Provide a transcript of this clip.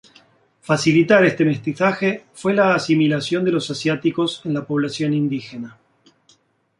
Facilitar este mestizaje fue la asimilación de los asiáticos en la población indígena.